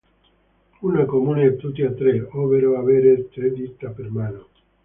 Uno è comune a tutti e tre, ovvero avere tre dita per mano.